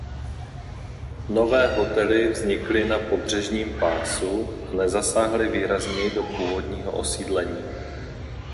Nové hotely vznikly na pobřežním pásu a nezasáhly výrazněji do původního osídlení.